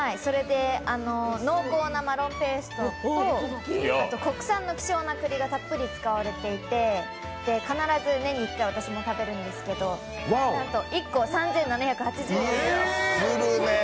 濃厚なマロンペーストと国産の希少な栗がたっぷり使われていて必ず年に１回私も食べるんですけど１個３７８０円。